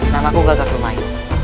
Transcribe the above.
namaku gagak lumai